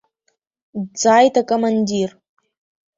Дҵааит акомандир.